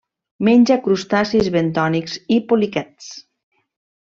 Menja crustacis bentònics i poliquets.